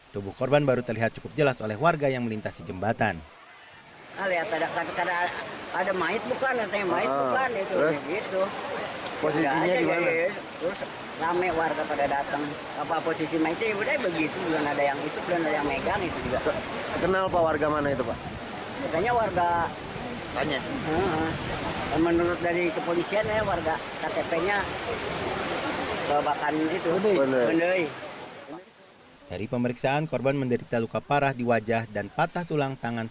tubuh korban baru terlihat cukup jelas oleh warga yang melintasi jembatan